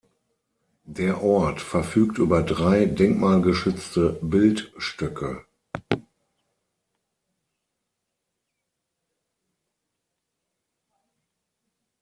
Der Ort verfügt über drei denkmalgeschützte Bildstöcke.